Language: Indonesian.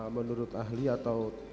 menurut ahli atau